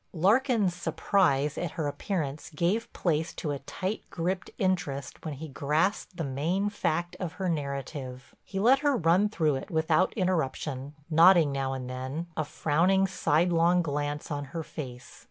Larkin's surprise at her appearance gave place to a tight gripped interest when he grasped the main fact of her narrative. He let her run through it without interruption nodding now and then, a frowning sidelong glance on her face.